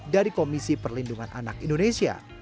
dari komisi perlindungan anak indonesia